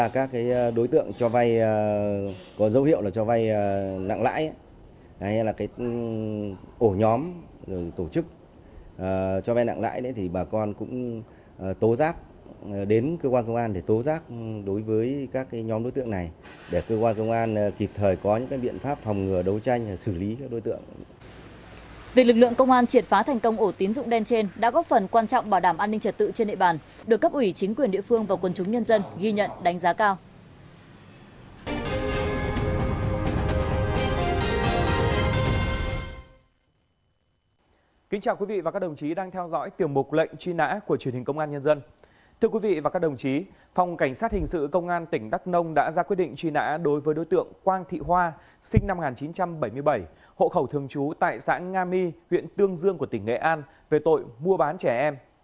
cảnh sát hình sự công an tỉnh đắk nông đã ra quyết định truy nã đối với đối tượng quang thị hoa sinh năm một nghìn chín trăm bảy mươi bảy hộ khẩu thường trú tại xã nga my huyện tương dương của tỉnh nghệ an về tội mua bán trẻ em